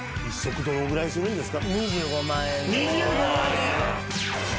どのぐらいするんですか？